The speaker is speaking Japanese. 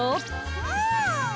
うん！